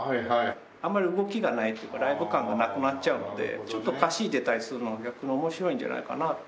あんまり動きがないっていうかライブ感がなくなっちゃうのでちょっとかしいでたりするのが逆に面白いんじゃないかなって。